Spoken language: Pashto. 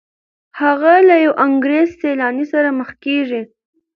هغه له یو انګریز سیلاني سره مخ کیږي.